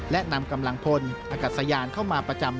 และนำกำลังพลอากาศยานเข้ามาประจำ